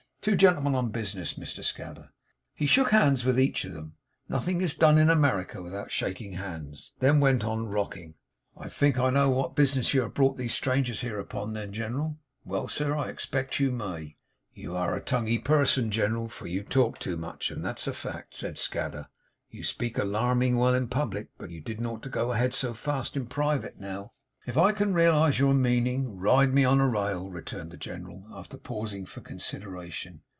Two gentlemen on business, Mr Scadder.' He shook hands with each of them nothing is done in America without shaking hands then went on rocking. 'I think I know what bis'ness you have brought these strangers here upon, then, Gen'ral?' 'Well, sir. I expect you may.' 'You air a tongue y person, Gen'ral. For you talk too much, and that's fact,' said Scadder. 'You speak a larming well in public, but you didn't ought to go ahead so fast in private. Now!' 'If I can realise your meaning, ride me on a rail!' returned the General, after pausing for consideration.